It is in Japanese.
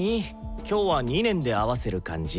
今日は２年で合わせる感じ？